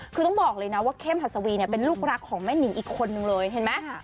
คือต้องบอกเลยนะว่าเข้มหัสวีเนี่ยเป็นลูกรักของแม่นิงอีกคนนึงเลยเห็นไหม